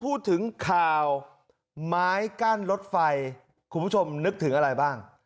พูดถึงข่าวไม้กั้นรถไฟคุณผู้ชมนึกถึงอะไรบ้าง